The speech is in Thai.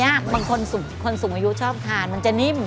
อันนี้คือคนสูงอายุชอบกันมันจะนิ่ม